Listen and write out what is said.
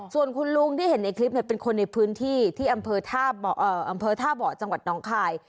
ส่วนคุณลุงที่เห็นในคลิปเป็นคนในพื้นที่ที่อำเภอท่าเบาะจังหวัดน้องคาย